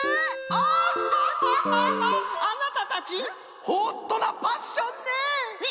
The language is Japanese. あなたたちホットなパッションね！